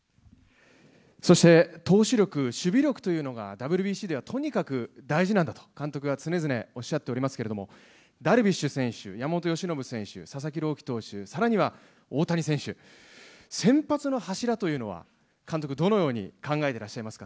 そして、投手力、守備力というのが、ＷＢＣではとにかく大事なんだと、監督は常々おっしゃっておりますけれども、ダルビッシュ選手、山本由伸投手、佐々木朗希投手、さらには大谷選手、先発の柱というのは、監督、どのように考えてらっしゃいますか。